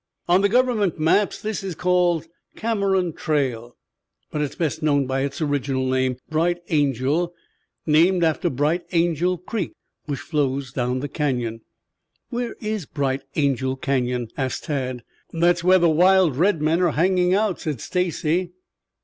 "On the government maps this is called Cameron Trail, but it is best known by its original name, Bright Angel, named after Bright Angel creek which flows down the Canyon." "Where is Bright Angel Canyon?" asked Tad. "That's where the wild red men are hanging out," said Stacy.